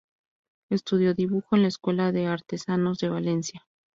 Estudió dibujo en la Escuela de Artesanos de Valencia.